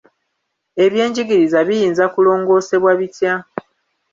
Ebyenjigiriza biyinza kulongoosebwa bitya?